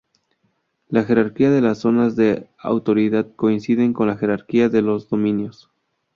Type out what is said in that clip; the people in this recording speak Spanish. La jerarquía de las zonas de autoridad coincide con la jerarquía de los dominios.